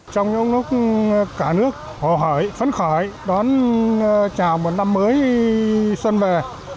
trong những lúc cả nước hồ hỏi phấn khởi đón chào một năm mới xuân về